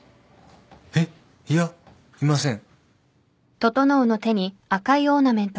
えっ！いやいません。